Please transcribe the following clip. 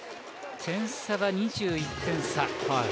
点差は２１点差。